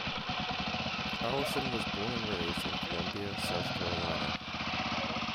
Allison was born and raised in Columbia, South Carolina.